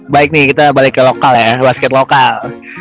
baik nih kita balik ke lokal ya basket lokal